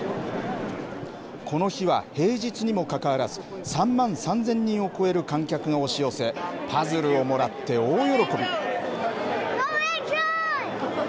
この日は平日にもかかわらず、３万３０００人を超える観客が押し寄せ、パズルをもらって大喜び。